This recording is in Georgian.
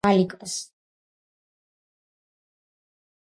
რუბენი ცდილობს, დაეხმაროს ვალიკოს.